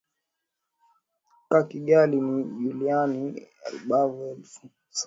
ka kigali ni juliani rubavu elefiki swahili